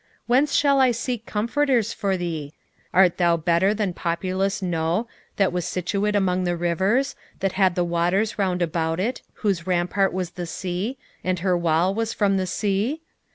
whence shall I seek comforters for thee? 3:8 Art thou better than populous No, that was situate among the rivers, that had the waters round about it, whose rampart was the sea, and her wall was from the sea?